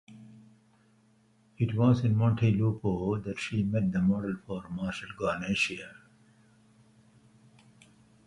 It was in Montelupo that she met the model for "Marshal Guarnaccia".